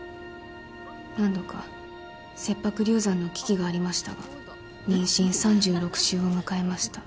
何度か切迫流産の危機がありましたが妊娠３６週を迎えました。